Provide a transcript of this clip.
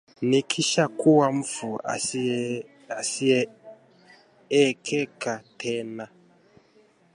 nikishakuwa mfu asiyeekeka tena